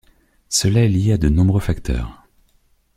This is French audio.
Cela est lié à de nombreux facteurs.